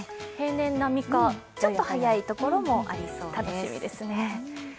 平年並みかちょっと早いところもありそうです。